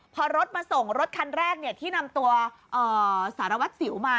พอรถมาส่งรถคันแรกที่นำตัวสารวัตรสิวมา